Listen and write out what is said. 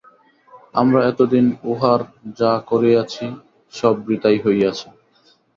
আমরা এতদিন উহার যা করিয়াছি সব বৃথাই হইয়াছে।